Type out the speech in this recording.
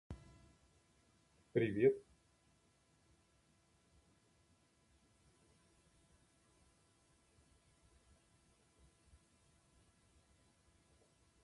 The name comes from Algonquin word "maskutchew" meaning "bear plain" in singular.